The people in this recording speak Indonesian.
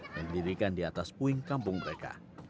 yang didirikan di atas puing kampung mereka